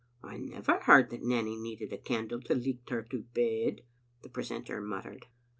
" I never heard that Nanny needed a candle to licht her to her bed," the precentor muttered.